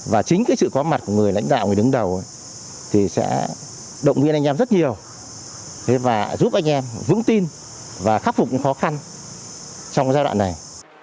và chính sự có mặt của người lãnh đạo người đứng đầu thì sẽ động viên anh em rất nhiều và giúp anh em vững tin và khắc phục những khó khăn trong giai đoạn này